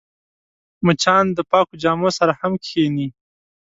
مچان د پاکو جامو سره هم کښېني